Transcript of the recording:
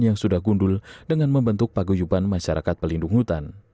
yang sudah gundul dengan membentuk paguyuban masyarakat pelindung hutan